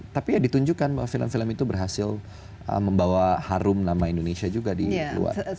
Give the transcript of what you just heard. tapi ya ditunjukkan bahwa film film itu berhasil membawa harum nama indonesia juga di luar